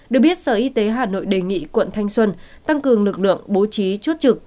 được biết sở y tế hà nội đề nghị quận thanh xuân tăng cường lực lượng bố trí chốt trực